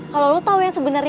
kalau lo tau yang sebenernya